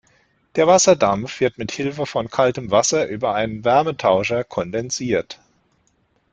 Der Wasserdampf wird mit Hilfe von kaltem Wasser über einen Wärmetauscher kondensiert.